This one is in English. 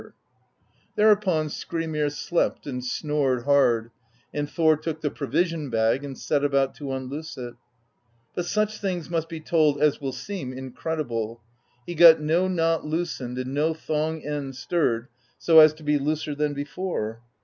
6o PROSE EDDA "Thereupon Skrymir slept and snored hard, and Thor took the provision bag and set about to unloose it; but such things must be told as will seem incredible: he got no knot loosened and no thong end stirred, so as to be looser than before.